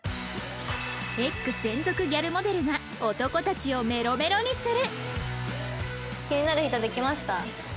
『ｅｇｇ』専属ギャルモデルが男たちをメロメロにする